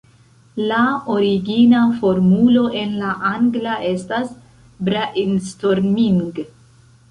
La origina formulo en la angla estas "brainstorming".